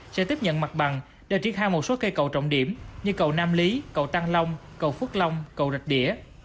sẽ tiếp nhận mặt bằng để triển khai một số cây cầu trọng điểm như cầu nam lý cầu tăng long cầu phước long cầu rạch đĩa